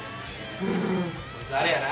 こいつあれやな。